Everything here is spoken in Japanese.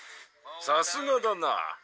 「さすがだな。